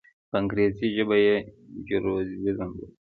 په انګریزي ژبه یې جیروزلېم بولي.